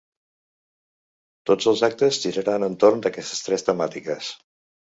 Tots els actes giraran entorn d’aquestes tres temàtiques.